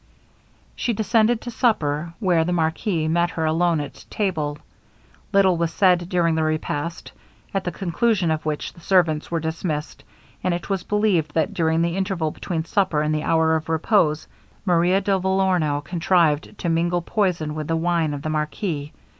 She descended to supper, where the marquis met her alone at table. Little was said during the repast, at the conclusion of which the servants were dismissed; and it was believed that during the interval between supper, and the hour of repose, Maria de Vellorno contrived to mingle poison with the wine of the marquis.